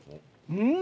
うん！